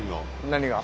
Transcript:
何が？